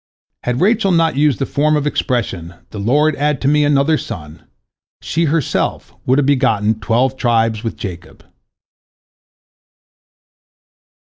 Had Rachel not used the form of expression, "The Lord add to me another son," she herself would have begotten twelve tribes with Jacob.